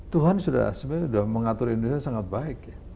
tuhan sudah mengatur indonesia sangat baik